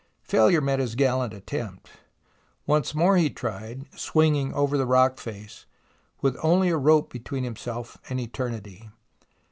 Failure met his gallant attempt. Once more he tried, swinging over the rock face, with only a rope between himself and Eternity.